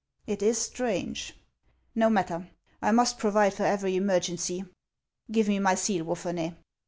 It is strange ! No matter, I must provide for every emergency. Give me my seal, Wapherney."